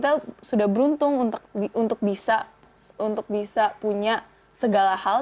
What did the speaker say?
kita sudah beruntung untuk bisa punya segala hal